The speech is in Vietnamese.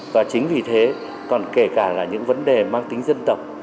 và chính vì thế còn kể cả là những vấn đề mang tính dân tộc